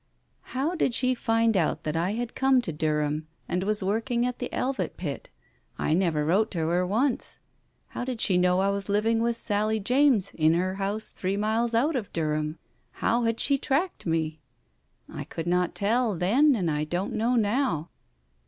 How did she find out that I had come to Durham, and was working at the Elvet pit ? I never wrote to her once. How did she know I was living with Sally James in her house three miles out of Durham ? How had she tracked me ? I could not tell, then, and I don't know now